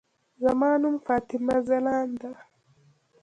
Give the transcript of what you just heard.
زما نوم فاطمه ځلاند ده.